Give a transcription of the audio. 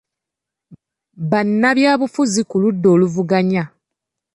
Bannabyabufuzi ku ludda oluvuganya.